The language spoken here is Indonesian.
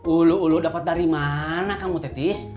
ulu ulu dapat dari mana kamu tetis